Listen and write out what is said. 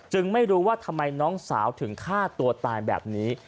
ไม่รู้ว่าทำไมน้องสาวถึงฆ่าตัวตายแบบนี้